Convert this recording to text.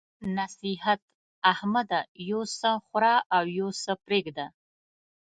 نصيحت: احمده! یو څه خوره او يو څه پرېږده.